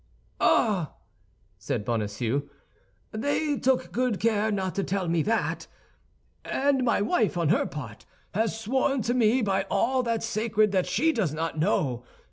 "Ah!" said Bonacieux, "they took good care not to tell me that; and my wife, on her part, has sworn to me by all that's sacred that she does not know.